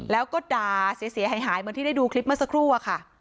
แล้วก็ด่าเสียหายเหมือนที่ได้ดูคลิปเมื่อสักครู่อะค่ะ